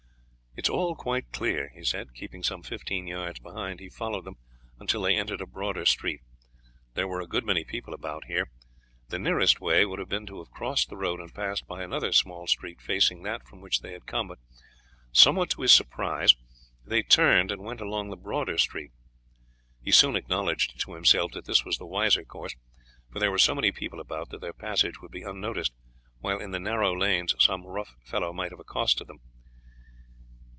"It is all quite clear," he said. Keeping some fifteen yards behind he followed them until they entered a broader street. There were a good many people about here. The nearest way would have been to have crossed the road and passed by another small street facing that from which they had come, but somewhat to his surprise they turned and went along the broader street. He soon acknowledged to himself that this was the wiser course, for there were so many people about that their passage would be unnoticed, while in the narrow lanes some rough fellow might have accosted them.